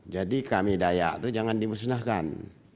jadi kami dayak itu jangan dimusnahkan